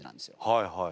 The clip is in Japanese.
はいはい。